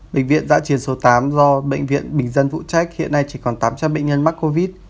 bệnh viện dã triển số tám do bệnh viện bình dân vụ trách hiện nay chỉ còn tám trăm linh bệnh nhân mắc covid